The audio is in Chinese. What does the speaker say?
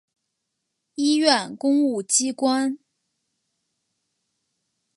医院公务机关